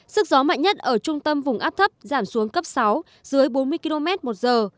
sức gió mạnh nhất ở trung tâm vùng áp thấp giảm xuống cấp sáu dưới bốn mươi km một giờ